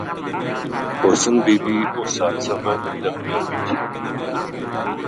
حسن بی بی اس حادثہ ما مُچ زخمی ہو گئی تھی